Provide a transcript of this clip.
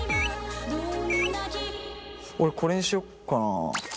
俺これにしよっかなあ。